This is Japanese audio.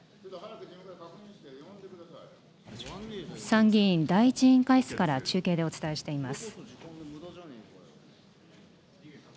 参議院第１委員会室から中継でお伝えしています。